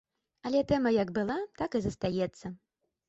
Але тэма як была, так і застаецца.